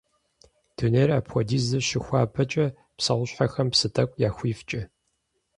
Дунейр апхуэдизу щыхуабэкӏэ, псэущхьэхэм псы тӏэкӏу яхуифкӏэ.